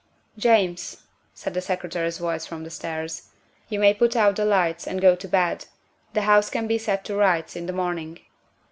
" James," said the Secretary's voice from the stairs, " you may put out the lights and go to bed; the house can be set to rights in the morning."